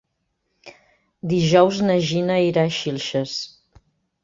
Dijous na Gina irà a Xilxes.